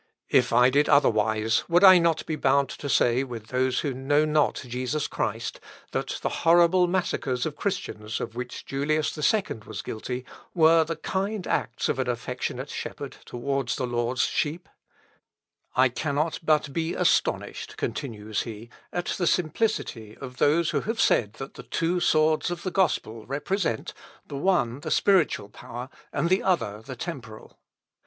If I did otherwise, would I not be bound to say with those who know not Jesus Christ, that the horrible massacres of Christians of which Julius II was guilty, were the kind acts of an affectionate shepherd towards the Lord's sheep?" Thesis 26. "I cannot but be astonished," continues he, "at the simplicity of those who have said that the two swords of the gospel represent, the one the spiritual power, and the other the temporal.